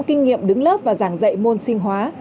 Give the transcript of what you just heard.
kinh nghiệm đứng lớp và giảng dạy môn sinh hóa